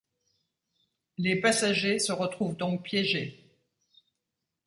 Les passagers se retrouvent donc piégés.